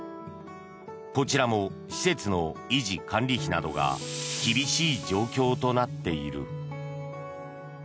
こちらも施設の維持管理費などが厳しい状況となっている。